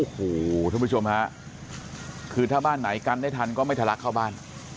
โอ้โหทุกผู้ชมฮะคือถ้าบ้านไหนกันได้ทันก็ไม่ทะลักเข้าบ้าน